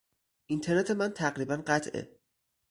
اینترنت من تقریباً قطعه.